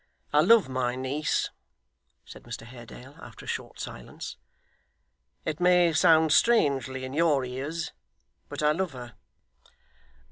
'I love my niece,' said Mr Haredale, after a short silence. 'It may sound strangely in your ears; but I love her.